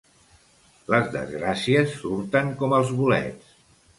Les desgràcies surten com els bolets.